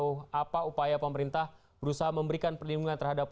kuala lumpur sejauh apa upaya pemerintah berusaha memberikan perlindungan terhadap